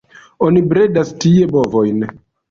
Oni bredas tie bovojn.